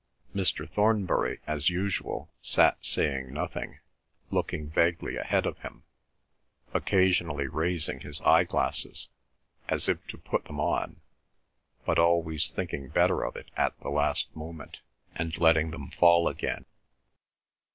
Mr. Thornbury as usual sat saying nothing, looking vaguely ahead of him, occasionally raising his eye glasses, as if to put them on, but always thinking better of it at the last moment, and letting them fall again.